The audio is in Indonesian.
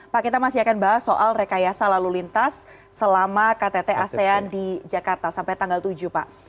pak kita masih akan bahas soal rekayasa lalu lintas selama ktt asean di jakarta sampai tanggal tujuh pak